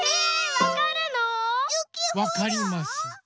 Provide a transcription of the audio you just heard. わかります。